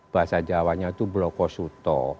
bahasa jawanya itu blokosuto